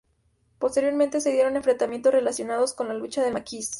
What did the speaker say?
Posteriormente se dieron enfrentamientos relacionados con la lucha del maquis.